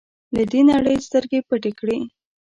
له دې نړۍ سترګې پټې کړې.